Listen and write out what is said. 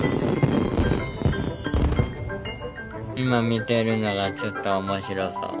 今見てるのがちょっと面白そう。